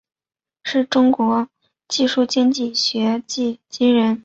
是中国技术经济学奠基人。